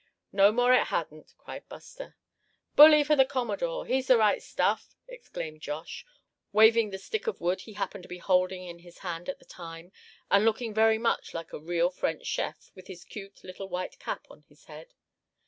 "No more it hadn't!" cried Buster. "Bully for the Commodore; he's the right stuff!" exclaimed Josh, waving the stick of wood he happened to be holding in his hand at the time; and looking very much like a real French chef with his cute little white cap on his head.